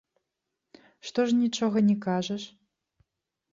Што ж нічога не кажаш?